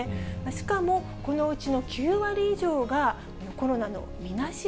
しかも、このうちの９割以上が、コロナのみなし